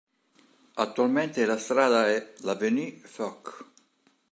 Attualmente la strada è l' "avenue Foch".